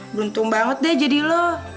beruntung banget deh jadi lo